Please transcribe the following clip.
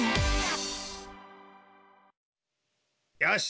よし！